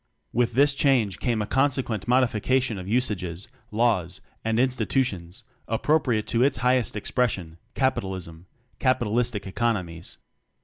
With this change came consequent modification of usages, laws, and institutions appropriate to its highest expression Capitalism capitalistic economics.